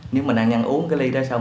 nếu mà nạn nhân uống cái ly đó xong